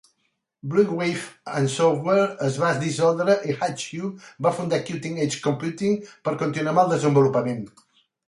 Blue Wave Software es va dissoldre i Hatchew va fundar Cutting Edge Computing per continuar amb el desenvolupament.